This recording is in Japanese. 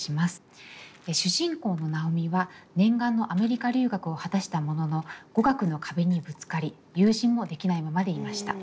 主人公の尚美は念願のアメリカ留学を果たしたものの語学の壁にぶつかり友人もできないままでいました。